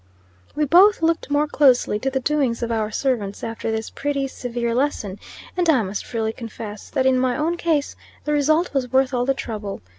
We both looked more closely to the doings of our servants after this pretty severe lesson; and I must freely confess, that in my own case, the result was worth all the trouble.